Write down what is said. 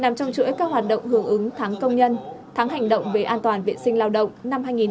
nằm trong chuỗi các hoạt động hưởng ứng tháng công nhân tháng hành động về an toàn viện sinh lao động